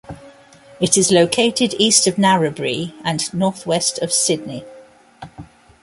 It is located east of Narrabri and northwest of Sydney.